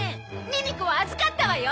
ミミ子は預かったわよ。